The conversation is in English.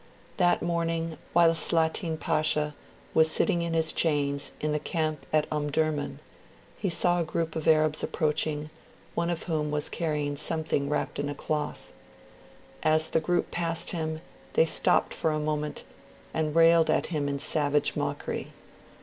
That morning, while Slatin Pasha was sitting in his chains in the camp at Omdurman, he saw a group of Arabs approaching, one of whom was carrying something wrapped up in a cloth. As the group passed him, they stopped for a moment, and railed at him in savage mockery.